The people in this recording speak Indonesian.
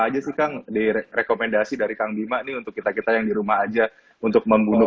apa aja sih kang di rekomendasi dari kang bima nih untuk kita kita yang di rumah aja untuk membunuh